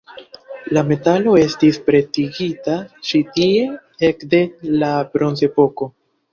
La metalo estis pretigita ĉi tie ekde la Bronzepoko.